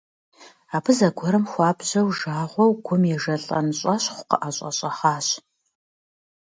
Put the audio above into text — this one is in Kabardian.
Абы зэгуэрым хуабжьу жагъуэу гум ежэлӀэн щӀэщӀхъу къыӀэщӀэщӀэгъащ.